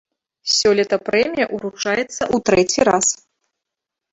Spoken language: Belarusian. Сёлета прэмія ўручаецца ў трэці раз.